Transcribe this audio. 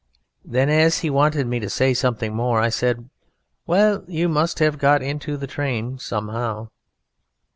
Then, as he wanted me to say something more, I said: "Well, you must have got into the train somehow."